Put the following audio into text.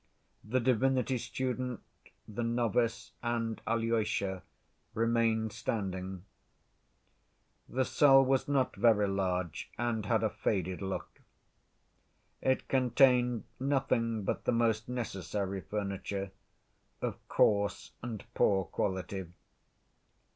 The divinity student, the novice, and Alyosha remained standing. The cell was not very large and had a faded look. It contained nothing but the most necessary furniture, of coarse and poor quality.